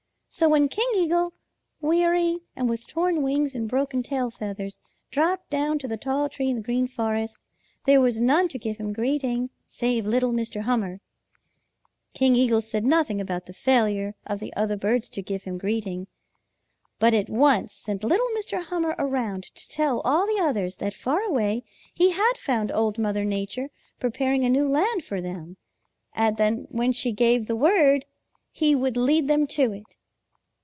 So when King Eagle, weary and with torn wings and broken tail feathers, dropped down to the tall tree in the Green Forest, there was none to give him greeting save little Mr. Hummer. "King Eagle said nothing about the failure of the other birds to give him greeting but at once sent little Mr. Hummer around to tell all the others that far away he had found Old Mother Nature preparing a new land for them, and that when she gave the word, he would lead them to it.